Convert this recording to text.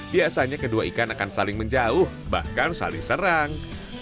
biasanya kedua ikan akan saling menjauh bahkan saling serang